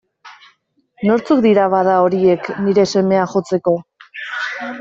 Nortzuk dira, bada, horiek, nire semea jotzeko?